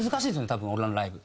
多分俺らのライブ。